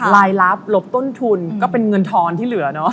รายรับหลบต้นทุนก็เป็นเงินทอนที่เหลือเนอะ